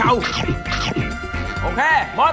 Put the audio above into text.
โอเคหมด